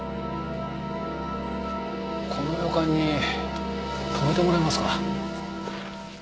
この旅館に泊めてもらえますか？